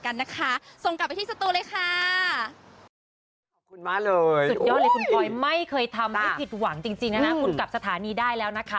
ขอบคุณมากเลยสุดยอดเลยคุณพลอยไม่เคยทำให้ผิดหวังจริงนะคะคุณกลับสถานีได้แล้วนะคะ